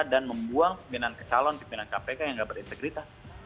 dan membuang pimpinan kecalon pimpinan kpk yang gak berintegritas